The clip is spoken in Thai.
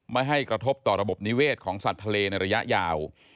ไม่ให้กระทบต่อระบบนิเวศของสัตว์ทะเลในระยะยาว